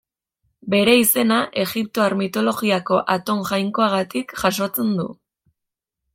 Bere izena egiptoar mitologiako Aton jainkoagatik jasotzen du.